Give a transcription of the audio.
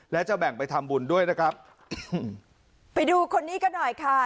และจะแบ่งไปทำบุญด้วยนะครับไปดูคนนี้กันหน่อยค่ะ